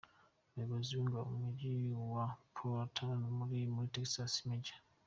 Umuyobozi w’Ingabo mu Mujyi wa Port Arthur uri muri Txas, Maj.